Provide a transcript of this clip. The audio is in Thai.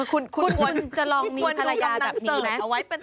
คุณควรจะลองมีภรรยาแบบนี้ไหม